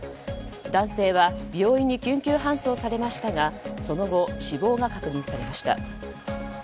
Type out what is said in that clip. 男性は病院に救急搬送されましたがその後、死亡が確認されました。